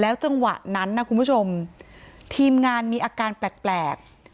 จังหวะนั้นนะคุณผู้ชมทีมงานมีอาการแปลก